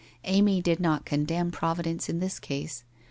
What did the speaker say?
Amy did not condemn Providence in this case.